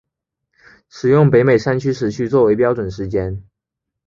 使用北美山区时区作为标准时间。